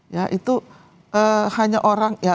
ya itu hanya orang ya